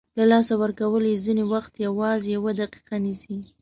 له لاسه ورکول یې ځینې وخت یوازې یوه دقیقه نیسي.